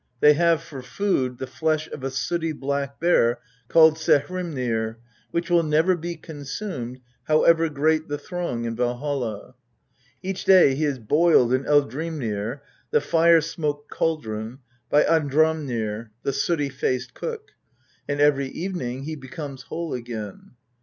They have for food the flesh of a sooty black boar called Saehrimnir, which will never be consumed, however great the throng in Valholl. Each day he is boiled in Eldhrimnir (the fire smoked cauldron) by Andhrimnir (the sooty faced cook), and every evening he becomes whole again.